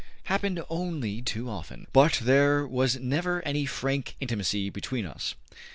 happened only too often. But there was never any frank intimacy between as.